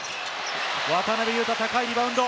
渡邊雄太、高いリバウンド！